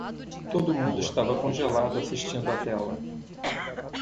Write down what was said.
Todo mundo estava congelado assistindo a tela.